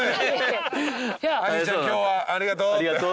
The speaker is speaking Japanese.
「今日はありがとう」って。